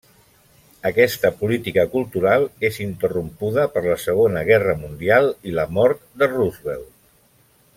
Aquesta política cultural és interrompuda per la Segona Guerra Mundial i la mort de Roosevelt.